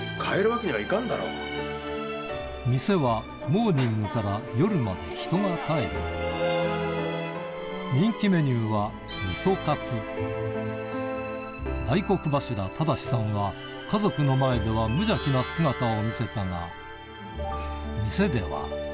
店はモーニングから夜まで人が絶えず人気メニューは大黒柱忠さんは家族の前ではを見せたが店ではん？